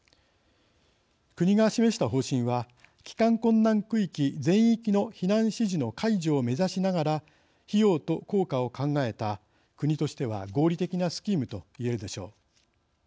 国が示した方針は帰還困難区域、全域の避難指示の解除を目指しながら費用と効果を考えた国としては合理的なスキームと言えるでしょう。